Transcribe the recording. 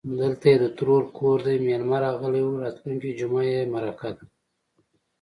_دلته يې د ترور کور دی، مېلمه راغلی و. راتلونکې جومه يې مرکه ده.